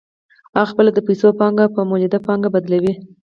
هغه خپله د پیسو پانګه په مولده پانګه بدلوي